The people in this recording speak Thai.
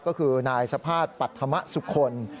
ก็คือนายสภาษณ์ปัฏธมสุขล